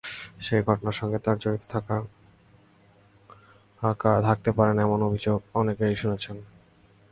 সেই ঘটনার সঙ্গে তাঁরা জড়িত থাকতে পারেন, এমন অভিযোগ অনেকেই শুনেছেন।